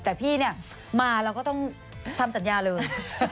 แต่พี่เนี่ยมาเราก็ต้องทำสัญญาเลย